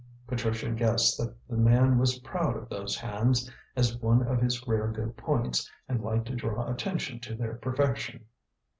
Patricia guessed that the man was proud of those hands, as one of his rare good points, and liked to draw attention to their perfection.